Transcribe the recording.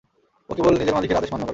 ও কেবল নিজের মালিকের আদেশ মান্য করে।